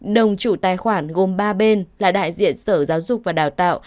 đồng chủ tài khoản gồm ba bên là đại diện sở giáo dục và đào tạo